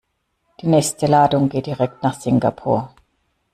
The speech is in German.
Die nächste Ladung geht direkt nach Singapur.